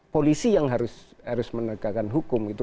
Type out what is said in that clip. polisi yang harus menegakkan hukum itu